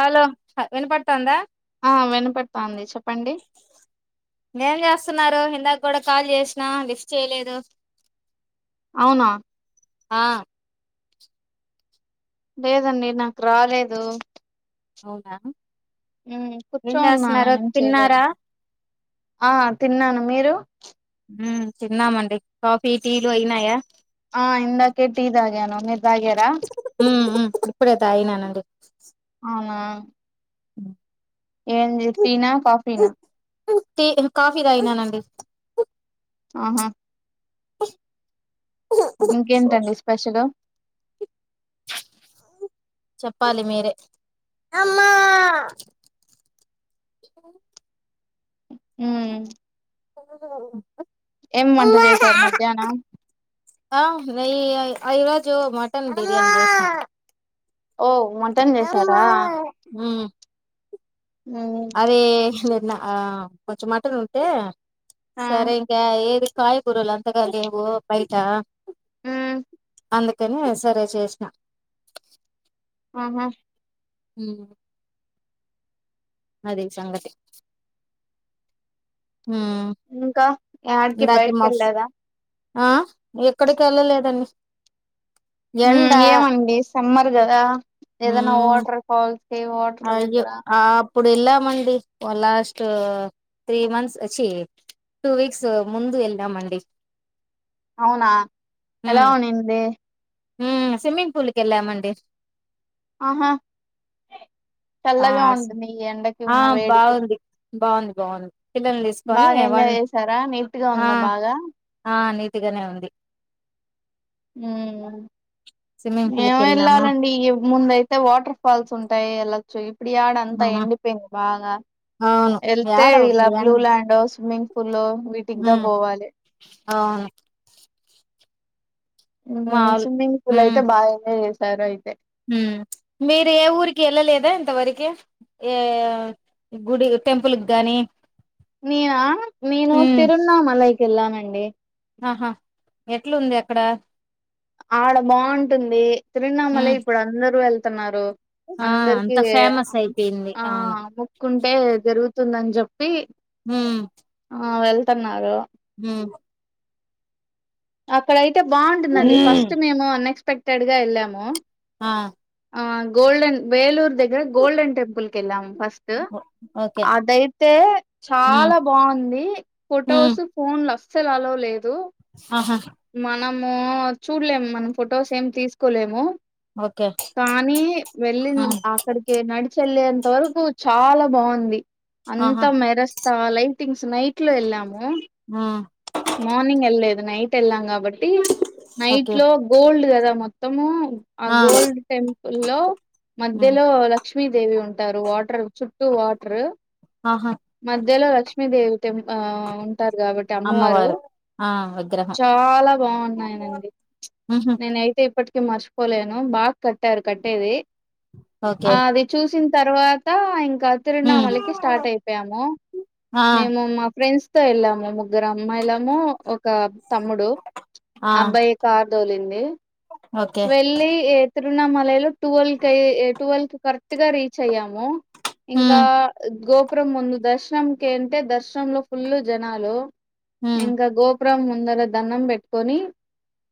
Hello వినపడతాండ ఆ వినపడతాంది చెప్పండి ఎం చేస్తున్నారు ఇందాక కూడా కాల్ చేసిన లిఫ్ట్ చేయలేదు అవునా ఆ లేదండి నాకు రాలేదు అవునా హు ఏం కూర్చొనునా చేస్తున్నారు ఎం చేయలేదు తిన్నారా ఆ తిన్నాను మీరు హ్మ్ తిన్నామండి కాఫీ టీలు అయినాయా ఆ ఇందకె టీ తాగాను తాగారా ఊ ఉహు ఇప్పుడే తాగినానండి అవునా హ్మ్ ఏంది టీ నా కాఫీ నా టీ కాఫీదాగినానండి ఆహా ఇంకేంటండి స్పెషల్ చెప్పాలి మీరే హ్మ్ ఏం వంట చేశారు మధ్యాహ్నం ఆ నెయ్యి ఈరోజు మటన్ బిర్యానీ చేస్నా ఓ మటన్ చేసారా హుమ్మ్ మ్మ్ అదే నా కొంచెం మాటం ఉంటే ఆ సరేంగా ఏది కాయ గురుల్ అంతగా లేేవు బైట మ్మ్ అందుకని సరే చేసినా హ్మ్ హ్మ్ అది సంగతి ఉమ్ ఇంకా ఆడికి ఇందాకే బయకి మా వెళ్ళదా ఆ ఎక్కడికి వెళ్ళలేదండి హ ఎండ ఏమండి సమ్మర్ కదా ఏదైనా ఉమ్ వాటర్ ఫాల్స్ కి వాటర్ దగ్గర ఇప్పుడు వెళ్ళామండి లాస్ట్ త్రీ మంత్స్ వచ్చి టూ వీక్స్ ముందు వెళ్ళామండి అవునా ఎలా అ ఉన్నింది మ్మ్ స్విమ్మింగ్ పూల్కి వెళ్ళామండి ఆహా ఆ చల్లగా ఉంటుంది ఈ ఎండకి ఆ ఉన్న వేడికి బాగుంది బాగుంది గాన్ బాగా ఎంజాయ్ చేసారా నీట్గా ఉందా బాగా తిగానే ఉంది స్విమ్మింగ్ పూల్ మేమూ కి వెళ్ళాము వెళ్ళాలండి ముందయితే వాటర్ ఫాల్స్ ఉంటాయి ఎలా చె ఇప్పుడు ఆడ అంతా ఆ ఎండిపోయింది బాగా అవును వెళ్తే యాడ ఇలా ఉమ్ బ్లూ ల్యాండ్ ఓ స్విమ్మింగ్ పూల్లో వీటికి దా పోవాలి అవును మావులు స్విమ్మింగ్ పూల్ ఉమ్ అయితే బాగానే చే తారా అయితే మీరు ఏ ఊరికి వెళ్ళలేదా ఇంతవరకి ఏ గుడి టెంపుల్కి గాని నేనా నేను ఉమ్ తిరున్నాంలైక్ వెళ్ళానండి ఆహా ఎట్లుంది అక్కడ ఆడ బాగుంటుంది తిరునామలే ఉమ్ ఇప్పుడు అందరుూ వెళ్త తున్నారు ఆ అంత అందరికి ఫేమస్ అయిపోయింది ఆ అవును అమ్ముకుంటే జరుగుతుందని జంపి హు ఆ వెళ్తున్నారు హుమ్ ఆక్కడ అయిత్ తే బాగుంటుందండి ఉమ్ ఫస్ట్ మేము. క్టెడ్ గా ఎళ్ళాము. ఆ ఆ గోల్డెన్ వేలూరు దగ్గర గోల్డెన్ టెంపుల్ కి కెళ్ళాం. ఫస్ట్ ఓ ఓకే అదైతే ఉమ్ చాలా బాగుంది ఉమ్ ఫొటోస్ ఫోన్ ల అసలు అలో లేవు. ద్దు. ఆ. నము చూడలేము మనం ఫొటోస్ ఏం తీసుకోలేము. ఓకే కానీ, వెళ్ళిన్ ఉమ్ అక్కడికే నడిచి. ఏల్లేంత వరకు చాలా బాగుంది. ఆహా అంతా మెరస్తా లైటింగ్స్ నైట్ లో ఏళ్ళాము, ఉమ్ మార్నింగ్ ఏళ్లేదు. న్నాయి. తెల్లంగా. బట్టి నైట్ ఓకే లో గోల్డ్ క. ద మొత్తము. ఆ గోల్డ్ టెంపుల్ లో ఉమ్ మధ్యలో. లక్ష్మీదేవి ఉంటారు వాటర్. చుట్టూ వాటర్. ఆహా మధ్యలో లక్ష్మీదేవి. ఎం ఉంటారు కాబట్టి అమ్మవారు. ఆ విగ్రహం చాలా బాగున్నాయినండి. ఉహు నేను ఐతే ఇప్పటి. మర్చిపోలేను బాగ్ కట్టారు కట్టేది. ఓకే ఆ అది చూసిన్. తర్వాత ఇం. హ్మ్ తిరునామలకి స్టార్ట్ అయిపోయాము ఆ మేము మా ఫ్రెండ్స్. తో ఏళ్ళాము. ముగ్గురు అమ్మాయిలము, ఒక తమ్ముడు, ఆ అబ్బాయి కార్. తోలింది ఓకే వెళ్ళి. తిరుణమలై లో ట్యువెల్ కై ట్యూవెల్ కి కరెక్టుగా రీచ్ అయ్యాము. ఇంకా హ్మ్ గో. ప్రు ముందు దర్శనం కే అంటే దర్శనం లో ఫుల్లు జనాలు. హ్మ్ ఇంకా గో. విగ్రహం ముందర దన్నం పెట్టుకొని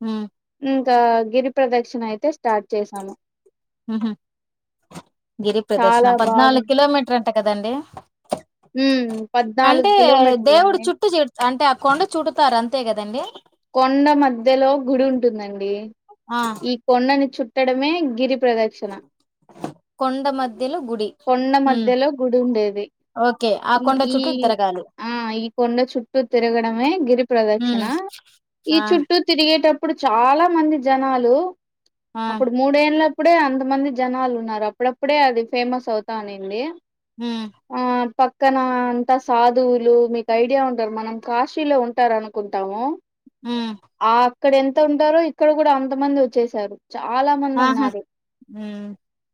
ఉమ్ ఇంకా గిరి ప్రదక్షిణ అయితే స్టార్ట్ చేసాము ఊహు గిరి ప్రదర్శన చాలా పద్నాలు బాగుంది కిలోమీటర్ అంట కదండి ఉమ్ అంటే పద్నాలుగు కిలోమీటర్ దేవుడు అండి చుట్టూ చే అంటే ఆ కొండ చుడుతారు అంతే కదండి కొండ మధ్యలో గుడి ఉంటుందండి ఎమ్ ఆ ఈ కొన్నని చుట్ట ఎట్టడమే గిరి ప్రదక్షిణ కొండ మధ్యలో గుడి కొండ హ్మ్ మధ్యలో గుడి ఉండేది ఓకే ఆ ఈ కొండ ఈ చుట్టూ తిరగాలి ఆ ఈ కొండ చుట్టూ తిరగడమే గిరి ప్రదక్షిణ హ్మ్ ఈ ఆ చుట్టూ తిరిగి ఎక్కేటప్పుడు చాలా మంది జనాలు ఆ అప్పుడు మూడేండ్ల అప్పుడే అంతమంది జనాలు ఉన్నారు అప్పుడప్పుడే అది ఫేమస్ అవుతానింది ఊ ఆ పక్కన అంతా సాధువులు మీకు ఐడియా ఉంటారు మనం కాశీలో ఉంటారు అనుకుంటాము ఊ ఇక్కడ ఎంత ఉంటారో ఇక్కడ కూడా అంతమంది వచ్చేసారు చాలా మంది ఆహా ఉన్నారు హ్మ్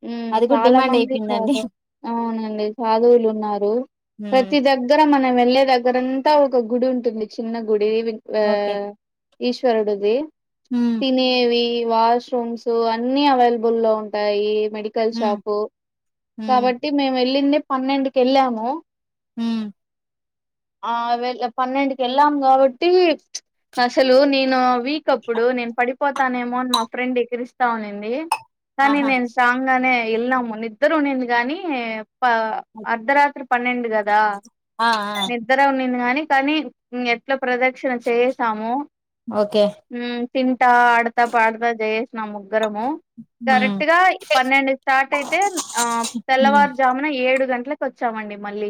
ఊ అది కూడా చాలా డిమాండ్ మంది అయిపోయిందండి సాదువు అవును ముందే సాధువులున్నారు హ్మ్ ప్రతి దగ్గర మన వెళ్ళే దగ్గరంతా ఒక గుడి ఉంటుంది చిన్న గుడి దీవిగ్వ ఓకే ఈశ్వరుడుది హ్మ్ తినేవి వాష్రూమ్స్ అన్ని అవైలబుల్ లో ఉంటాయి మెడికల్ హ్మ్ షాపు హ్మ్ కాబట్టి మేము వెళ్ళింది పన్నెండుకెళ్ళము హు ఆ వెల్ పన్నెండుకెళ్ళం కాబట్టి అసలు నేను వీక్ అప్పుడు నేను పడిపో పోతానేమో అని మా ఫ్రెండ్ ఎక్కిరిస్తా ఉన్నిన్ది కానీ ఆహా నేను స్ట్రాంగనే వెళ్ళాము నిద్దరున్నింది గానీ పా అర్ధరాత్రి పన్నెండు గా దా ఆ ఆ నిద్దర ఉన్నిందిగానీ కనీ మెట్ల ప్రదక్షిణ చేస్ సాము ఓకే తిన్ తింటా ఆడతా పాడతా జేసిన ముగ్గురము హ్మ్ కరెక్ట్ గా పన్నెండుకు స్టార్ట్ అయితే అ హ్మ్ తెల్లవారుజామున ఏడు గన్ ఇళ్లకొచ్చామండి మళ్ళీ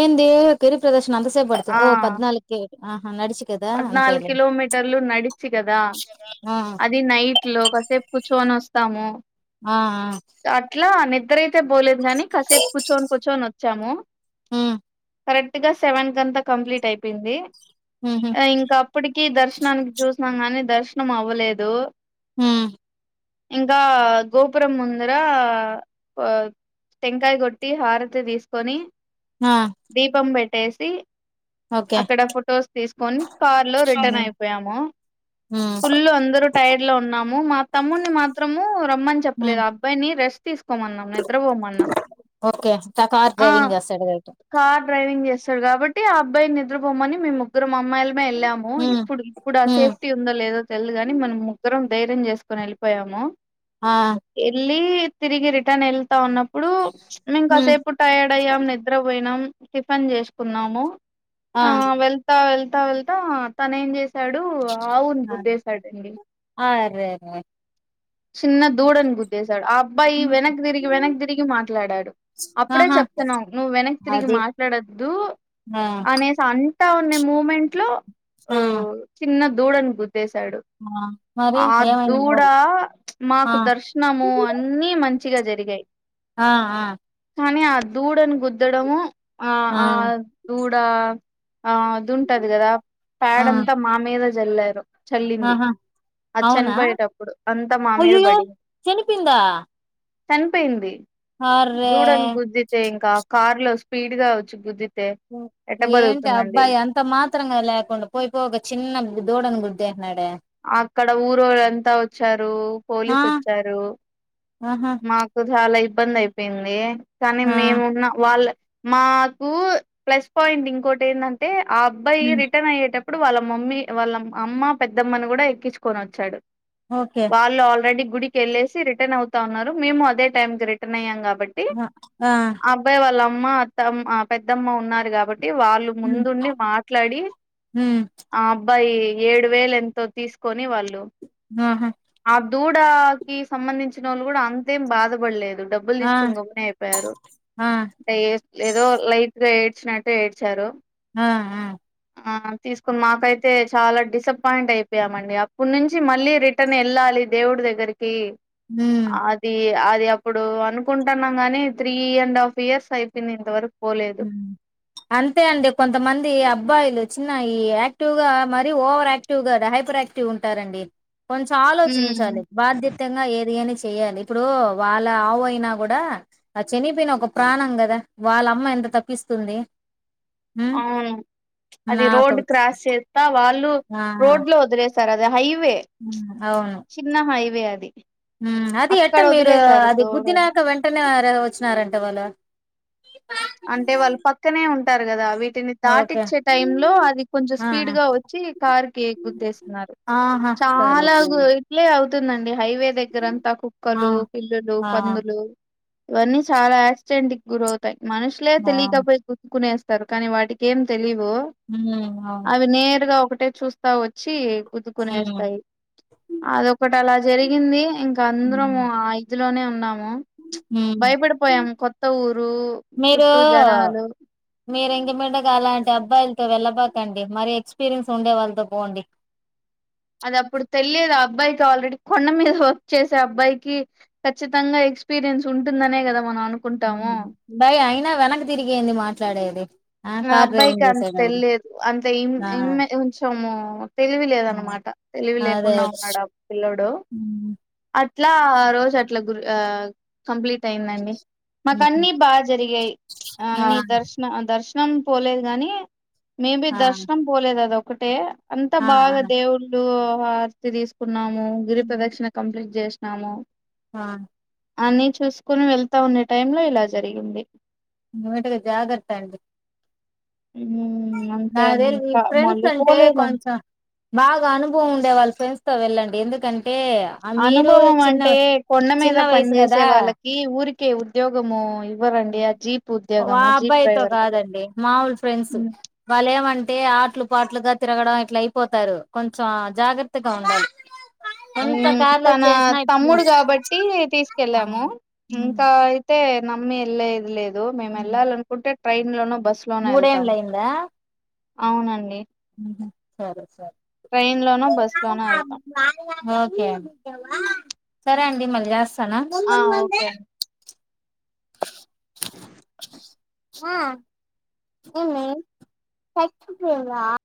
ఏంది గిరి ప్రదర్శన అంత సేప్పడుతద ఆ ఓ పద్నాలుకె ఆ పద్నాలుగు కిలోమీటర్లు నడిచి కదా ఆ అది నైట్లో కాసేపు కూచోని వస్తాము ఆ ఆ అట్లా అన్ ఇద్దరైతె పోలేదు గని కాసేపు కుచ్చొని కుచ్చొని వచ్చాము కరెక్ట్ గా సెవెన్ కంతా కంప్లీట్ అయిపోయింది ఉహు ఇంకా అప్పటికి దర్శ్ ననికి చూసాం కానీ దర్శనం అవ అవలేదు ఉహ్ ఇంకా ఆ గోపురం ముందరా ఆ టెంకాయ కొట్టి హారతి తీసుకొని ఆ దీపం పెట్ టేసీ ఓకే అక్కడ ఫొటోస్ తీసుకొని కార్లో రిటర్న్ ఉమ్, అయిపోయాము ఉమ్, ఫుల్ అందరూ టైర్డ్ లో ఉన్నాము మా తమ్ముని మాత్రము రమ్మని ఉమ్, చెప్పలేదు ఆ అబ్బాయిని రెస్ట్ తీసుకోమన్నాం నిద్రపోమన్నాం ఓకే తా కార్ ఆ డ్రైవింగ్ చేస్తాడు కాబట్టి కార్ డ్రైవింగ్ చేస్తాడు కాబట్టి ఆ అబ్బాయిని నిద్రపోమని మేము ముగ్గురం మా అమ్మాయిలమే వెళ్ళాము ఆ ఇప్పుడు ఇప్పుడు ఆ ఉమ్, సేఫ్టీ ఉందో లేదో తెల్దుగాని మనం ముగ్గురం ధైర్యం చేసుకొని వెళ్ళిపోయాము ఆ లీ తిరిగి రిటర్న్ ఎల్ చేస్తా ఉన్నప్పుడు మేం కాసేపు టైర్డ్ అయ్యాం పోయినాం టిఫన్ చేసుకున్నాము ఆ వెళ్తా వెల్త తో వెళ్తా తన ఏం చేస్త సడు ఆవుని ఆ, గుద్దేశాడు అండి అరే రే. చిన్న దూడ అన్ గుద్దే డు ఆ అబ్బాయి ఉమ్, వెనక్ తిరిగి వెనక్ తిరిగి మాట్లాడాడు అప్పుడే ఆహా చెప్తున్నావు నువ్వు వెనక్ తిరిగి అది మాట్లాడొద్దు ఆ అనేసి అ తా ఉన్నాయి మూమెంట్ లో హా దూడన గు ద్దేశాడు ఆ ఏమైంది దూడ ఆ మాకు దర్శనము అన్న మంచిగా జరిగాయి ఆ ఆ కానీ ఆ దూడని గుద్దడము ఆ ఆ దూడా ఆ అదింటది కదా ప్యాడ ఆ, అంతా మా మీద జల్లారు చల్లింది ఆహా అది అవునా చనిపోయేటప్పుడు అంత అయ్యయ్యో చనిపోయిందా చనిపోయింది అర్రే దూడను గుద్దితే ఇంకా కార్ లో స్పీడ్ గా వచ్చి గుద్ది ఏంటి ఆ అబ్బాయి అంత మాత్రంగా లేకుండా పోయిపోయి ఒక చిన్న దూడని గుద్ నడే అక్కడ ఊరోళ్ళ అంతా వచ్చారు రూ ఆ పోలీస్ వచ్చారు ఆహా మాకు చాలా ఇబ్బంది అయిపోయింది కానీ ఆ మేమున్న వాళ్ళ మాకు ప్లస్ పాయింట్ ఇంకోటి ఏంటంటే ఆ అబ్బాయి ఉమ్ రిటర్న్ అయ్యేట అప్పుడు వాళ్ళ మమ్మీ వాళ్ళ అమ్మ పెద్ద పెద్దమ్మని కూడా ఎక్కించుకొని వచ్చాడు ఓకే వాళ్ళు ఆల్రెడీ గుడికి వెళ్ళేసి రిటర్న్ అవుతా ఉన్నారు మేము అదే టైం కి రటర్న్ అయ్యాం కాబ కాబట్టి ఆ అబ్బాయి వాళ్ళ మాతమ్మ పెద్దమ్మ ఉన్నారు కాబట్టి వాళ్ళు ఉమ్ ముందుండి మాట్లాడి ఉమ్ ఆ అబ్బాయి ఏడు వేల ఎంత తో తీసుకొని వాళ్ళు ఆహా ఆబ్ దూడాకిి సంబంధించిన వాళ్ళు కూడా అంతేం బాధపడలేదు డబ్బులు ఆ తీసుకుని గమ్మనే అయిపోయారు ఆ అంటే ఏదో లైట్ గా ఏడ్చ్ చనట్టే ఏడ్చారు ఆ ఆ ఆ తీసుకుని మాకైతే చాలా డిసప్పాయింట్ అయిపో యా మండి అప్పడు నుంచి మళ్ళీ రిటర్న్ వెళ్ళాలి దేవుడి దగ్గరికి ఉమ్ అది అది అది అప్పుడు అనుకుంటున్నాం గాని త్రీ అండ్ హాఫ్ ఇయర్స్ అయిపోయింది ఇంతవరకు పోలేదు అంతే అండి కొంతమంది మొబాయిలు చిన్న ఈ యాక్టివ్ గా మరి ఓవర్ యాక్టివ్ గా హైపర్ యాక్టివ్ ఉంటారండి కొంచెం హ్మ్. ఆలోచించాలి బాధ్యతంగా ఏది ఏని చెయాలి ఇప్పుడు వాళ్ళ ఆవు అయినా కూడా ఆ చనిపోయిన ఒక ప్రాణం కదా వాళ్ళ అమ్మ ఎంత తప్పిస్తుంది ఉమ్ అవును అది నాకు రోడ్ క్రాస్ చేస్తా వాళ్ళు ఆ రోడ్ లో వదరే సార్ అే హై అవును అది అది ఎట్ట అక్కడ మీరు వదిలేసారు అది దూడని గుదిినాక వెంటనే వచ్చినారంట వాళ్ళు అంటే వాళ్ళు పక్కనే ఉంటారు కదా వీ వీటిని ఓకే దాటించే టై లో అది కొంచెం ఆ స్పీడ్ గా వచ్చి కార్ కి ఎ గుతేస్తున్నారు ఆహా సరే చాలా సరే ఇట్లే అవు ందండి హైవే దగ్గరంతా ఆ కుక్కలు పిల్లులు ఆ పందులు ఇవన్నీ చాలా యాక్సిడెంట్కిి గుర అవుతాయి మనుషల ఆ తెలి కాబకునేస్త ర కానీ వాటికి ఏం తెలిదు ఉమ్ అవును అవి నేరుగా ఒకటే చూస్తా వచ్చి కుతుకునేస్తాయి అదొకటి అ అలా జరిగింది ఇంకా అందరం ము ఉమ్ ఆ ఇదులోనే ఉ అ ఉమ్ భయపడపోయాము కొత్త ఊరు మీరు చుట్టూ జనాలు మీరు ఇక బండ కాాలంటే అబ్బాయిలతో వెళ్ళబాకండి మరి ఎక్స్పీరియన్స్ ఉండే వాళ్ళతో పోండి అది అప్పుడు తెలియదు ఆ అబ్బాయికి ఆల్రెడీ కొండ మీద వర్క్ చేసే అబ్బాయికి ఖచ్చితంగా ఎక్స్పీరియన్స్ ఉంటుందనే కదా మనం అనుకుంటాము బాయి అయినా వెనక్ తిరిగిఏది మాట్లాడేది [inaudible] నా అబ్బాయికి డ్రైవింగ్ అంత చేసేటప్పుడు తెలిలేదు అంత ఇ ఆ కొంచెము తెలివి లేద ఆ! అనమాట తెలివి అదే అదే లేకుండా ఉన్నాడు పిలోడు హ్మ్. ఇట్లా ఆ రోజు అట్లా గు ఆ కంప్లీట్ యిందండి మాకు ఉహు అన్ని బాగా జరిగాయి ఆ అన్ని దర్శన దర్శ కం పోలేదు గాని మేబీ ఆ దర్శనం పోలే దాదా ఒకటే అంతా ఆ ఆ బాగా దేవుళ్ళు వార్త తీసుకు న్నాము గిరి ప్రదక్షిణ కంప్లీట్ చేస్ నాము ఆా అన్ని చూసుకుని వెళ్తా ఉన్న టైం లా ఇలా జరిగింది టగా జాగర్త వెళ్ళు హ్మ్ అంతే అండి నాదేలి ఇంకా ఫ్రెండ్స్ అంటే మళ్ళీపోలేదండి కొంచెం బాగా అనుభవం ఉండేవాళ్ళ ఫ్రెండ్స్ తో వెళ్ళండి ఎందుకం అనుభవం అంటే కొండ మీద చిన్న పని వయసు చేేసే కదా వాళ్ళకి ఊరీ కే ఉద్యోగమో వా అబ్బాయితో డ్రైవర్ గా కాదండి మాముూలు ఫ్రెండ్స్ వాళ్ళ ఏమం టే ఆటలు పాట్లుగా తిరగడం ఇట్లా అయిపోతారు కొంచెం జాగ్రత్తగా ఉండాలి ఎంత మ్మ్ కార్లో తన చేసినా ఇప్పుడు తమ్ముడు కాబట్టి తీసుకెళ్ళాము హ్మ్ హ్మ్ ఇంకా అయితే నమ్మి ఎల్ ది లేదు దు మేము వెళ్ళాలి అనుకుంటే ట్రైన్ లోనో బస్ లోనో వెళ్తాము మూడేళ్లయిందా అవునండి సరే సరే ట్రైన్ లోనో బస్సు లోనో వెళ్తాం ఓకే అండి సరే అండి ని మల్ జాస్ సనా ఆ ఓకే అండి ఆ ఏమ